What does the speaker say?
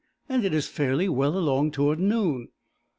And it is fairly well along toward noon!"